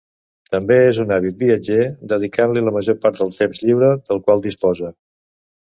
També és un àvid viatger, dedicant-li la major part del temps lliure del qual disposa.